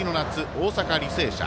大阪、履正社。